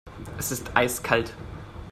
Es ist eiskalt.